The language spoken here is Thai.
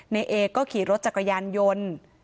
ในเอก็ขี่รถจักรยานยนต์